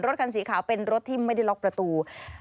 คันสีขาวเป็นรถที่ไม่ได้ล็อกประตู